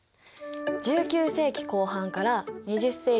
１９世紀後半から２０世紀前半